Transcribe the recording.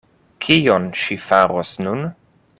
Kion ŝi faros nun?